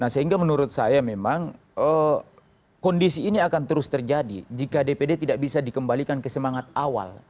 nah sehingga menurut saya memang kondisi ini akan terus terjadi jika dpd tidak bisa dikembalikan ke semangat awal